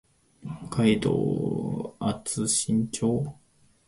北海道厚真町